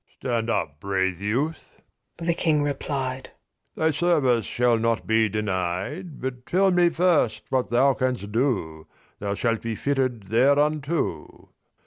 XI'Stand up, brave youth,' the King replied,'Thy service shall not be denied; But tell me first what thou canst do; Thou shalt be fitted thereunto.